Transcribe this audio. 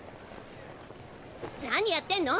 何やってんの！？